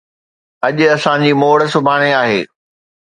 اڄ اسان جي موڙ سڀاڻي آهي